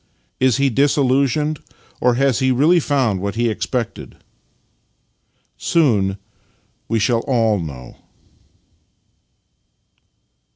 Is he disillusioned, or has he really found what he expected? Soon we shall all know.